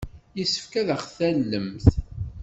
Yessefk ad aɣ-tallemt.